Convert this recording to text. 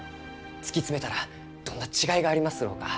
突き詰めたらどんな違いがありますろうか？